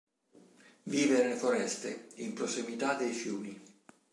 Vive nelle foreste in prossimità dei fiumi.